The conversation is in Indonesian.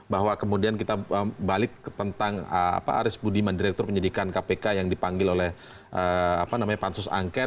bahwa kemudian kita balik tentang aris budiman direktur penyidikan kpk yang dipanggil oleh pansus angket